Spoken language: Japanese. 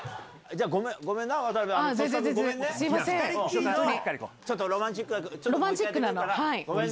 じゃあ、ごめんな、渡辺。